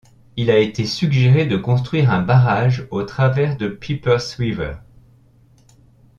Il a été suggéré de construire un barrage au travers de Pipers River.